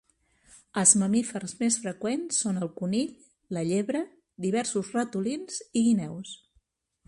Els mamífers més freqüents són el conill, la llebre, diversos ratolins i guineus.